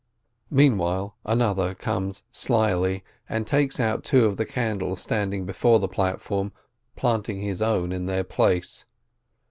Meantime another comes slyly, and takes out two of the candles standing before the platform, planting his own in their place.